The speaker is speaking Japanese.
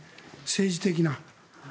政治的な。